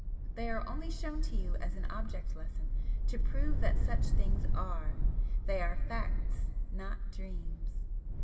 They are only shown to you as an object lesson, to prove that such things ARE they are facts, not dreams.